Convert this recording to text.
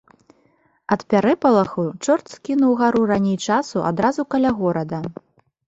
Ад пярэпалаху чорт скінуў гару раней часу адразу каля горада.